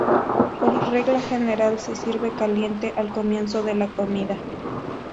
Por regla general se sirve caliente al comienzo de la comida.